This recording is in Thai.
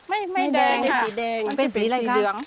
ไม่แดงค่ะเป็นสีลี้คะ